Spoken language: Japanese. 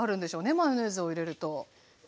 マヨネーズを入れると。